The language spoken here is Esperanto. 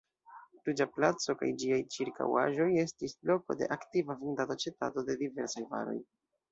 Ruĝa placo kaj ĝiaj ĉirkaŭaĵoj estis loko de aktiva vendado-aĉetado de diversaj varoj.